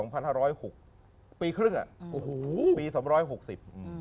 ปี๒๕๖๐ปีครึ่งปี๒๖๐